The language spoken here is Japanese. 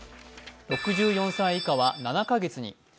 ６４歳以下は７カ月に。